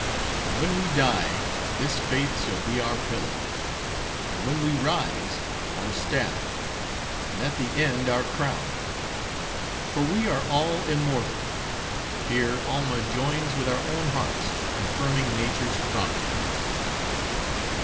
And when we die, this faith shall be our pillow; and when we rise, our staff; and at the end, our crown. For we are all immortal. Here, Alma joins with our own hearts, confirming nature's promptings."